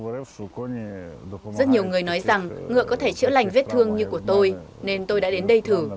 rất nhiều người nói rằng ngựa có thể chữa lành vết thương như của tôi nên tôi đã đến đây thử